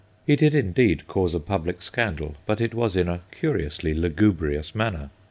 He did indeed cause a public scandal, but it was in a curiously lugubrious manner.